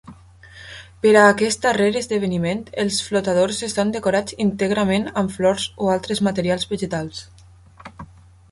Per a aquest darrer esdeveniment, els flotadors estan decorats íntegrament amb flors o altres materials vegetals.